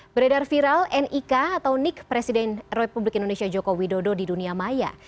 beredar viral nik atau nik presiden republik indonesia joko widodo di dunia maya